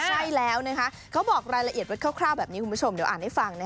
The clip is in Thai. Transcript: ใช่แล้วนะคะเขาบอกรายละเอียดไว้คร่าวแบบนี้คุณผู้ชมเดี๋ยวอ่านให้ฟัง